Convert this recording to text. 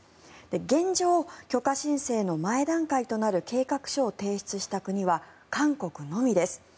現状、許可申請の前段階となる計画書を提出した国は韓国のみです。